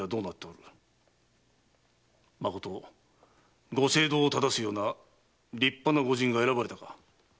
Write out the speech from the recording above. まことご政道を正すような立派な御仁が選ばれたか？